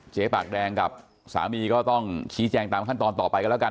ปากแดงกับสามีก็ต้องชี้แจงตามขั้นตอนต่อไปกันแล้วกัน